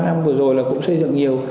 ba năm vừa rồi là cũng xây dựng nhiều